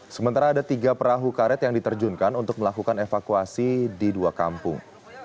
sementara ada tiga perahu karet yang diterjunkan untuk melakukan evakuasi di dua kampung